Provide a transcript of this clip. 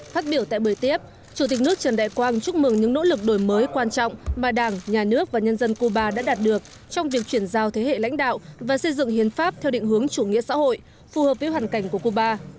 phát biểu tại buổi tiếp chủ tịch nước trần đại quang chúc mừng những nỗ lực đổi mới quan trọng mà đảng nhà nước và nhân dân cuba đã đạt được trong việc chuyển giao thế hệ lãnh đạo và xây dựng hiến pháp theo định hướng chủ nghĩa xã hội phù hợp với hoàn cảnh của cuba